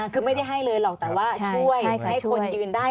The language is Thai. คือไม่ได้ให้เลยหรอกแต่ว่าช่วยให้คนยืนได้